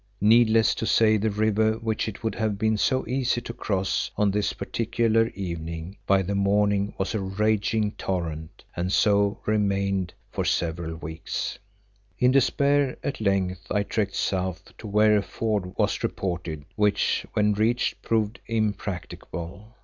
Needless to say the river, which it would have been so easy to cross on this particular evening, by the morning was a raging torrent, and so remained for several weeks. In despair at length I trekked south to where a ford was reported, which, when reached, proved impracticable.